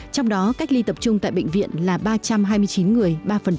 trong đó cách ly tập trung tại bệnh viện là ba trăm hai mươi chín người ba